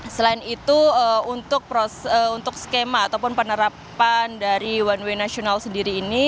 selain itu untuk skema ataupun penerapan dari one way nasional sendiri ini